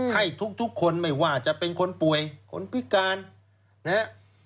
ให้ทุกคนไม่ว่าจะเป็นคนป่วยคนพิการนะฮะ